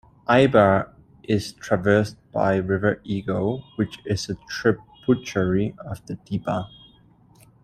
Eibar is traversed by river Ego, which is a tributary of the Deba.